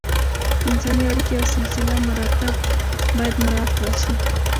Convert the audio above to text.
انساني اړیکې او سلسله مراتب باید مراعت کړل شي.